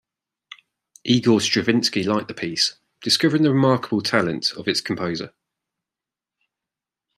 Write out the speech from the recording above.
Igor Stravinsky liked the piece, discovering the "remarkable talent" of its composer.